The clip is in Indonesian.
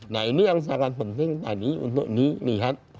nah ini yang sangat penting tadi untuk dilihat